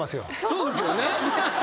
そうですよね。